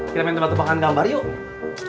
kita main tebak tebakan gambar yuk